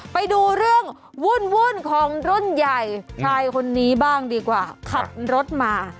ไปดูเรื่องวุ่นของรุ่นใหญ่ชายคนนี้บ้างดีกว่าขับรถมา